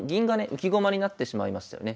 浮き駒になってしまいましたよね。